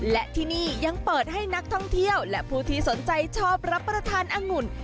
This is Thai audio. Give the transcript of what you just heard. และที่นี่ยังเปิดให้นักท่องเที่ยวและผู้ที่สนใจชอบรับประทานอังุ่น